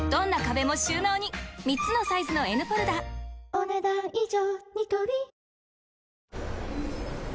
お、ねだん以上。